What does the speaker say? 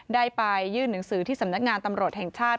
ได้ไปยื่นหนังสือที่สำนักงานตำรวจแห่งชาติ